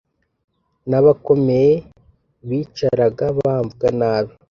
Nabakomeye bicaraga bamvuga nabi